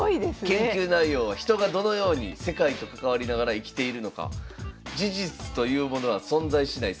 研究内容は人がどのように世界と関わりながら生きているのか。